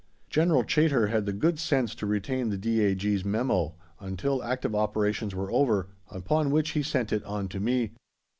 General Chaytor had the good sense to retain the D.A.G.'s memo, until active operations were over, upon which he sent it on to me.